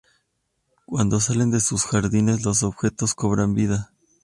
Cuando salen de sus jardines, los objetos cobran vida.